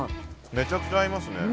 めちゃくちゃ合いますね。